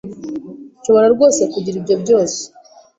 Nshobora rwose kugira ibyo byose?